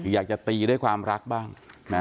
อยากจะตีด้วยความรักบ้าง